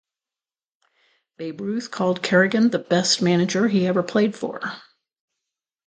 Babe Ruth called Carrigan the best manager he ever played for.